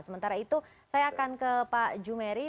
sementara itu saya akan ke pak jumeri